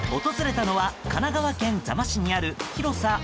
訪れたのは神奈川県座間市にある広さ